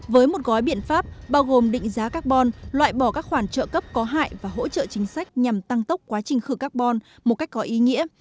với một gói biện pháp bao gồm định giá carbon loại bỏ các khoản trợ cấp có hại và hỗ trợ chính sách nhằm tăng tốc quá trình khử carbon một cách có ý nghĩa